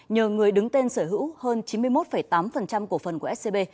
nhờ người đứng tên sở hữu hơn chín mươi một tám cổ phần của scb